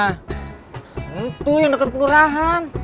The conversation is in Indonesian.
tentu yang deket kelurahan